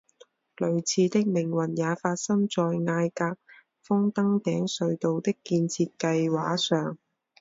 类似的命运也发生在艾格峰登顶隧道的建设计画上。